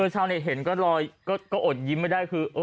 ชาวเน็ตเห็นก็ลอยก็อดยิ้มไม่ได้คือ